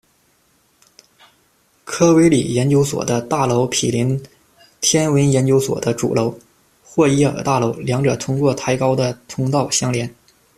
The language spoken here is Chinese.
科维理研究所的大楼毗邻天文研究所的主楼——霍伊尔大楼，两者通过抬高的通道相连。